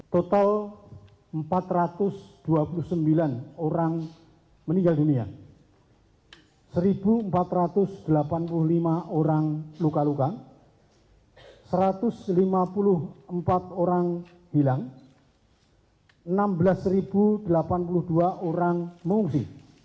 total empat ratus dua puluh sembilan orang meninggal dunia satu empat ratus delapan puluh lima orang luka luka satu ratus lima puluh empat orang hilang enam belas delapan puluh dua orang mengungsi